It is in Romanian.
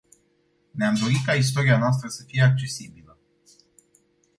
Ne-am dori ca istoria noastră să fie accesibilă.